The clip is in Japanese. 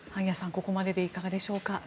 ここまででいかがでしょうか。